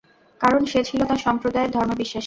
কারণ, সে ছিল তার সম্প্রদায়ের ধর্মে বিশ্বাসী।